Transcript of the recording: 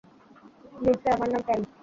Lindsay, আমার নাম ক্যাম।